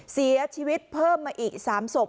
เสียชีวิตเพิ่มมาอีก๓ศพ